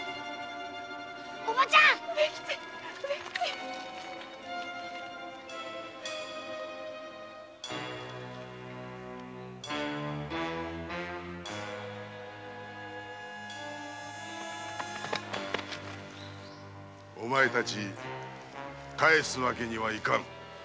おばちゃん梅吉お前たち帰すわけにはいかん。